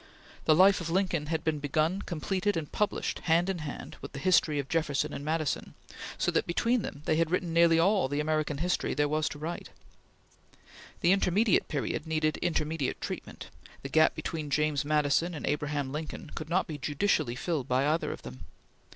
The "Life" of Lincoln had been begun, completed, and published hand in hand with the "History" of Jefferson and Madison, so that between them they had written nearly all the American history there was to write. The intermediate period needed intermediate treatment; the gap between James Madison and Abraham Lincoln could not be judicially filled by either of them.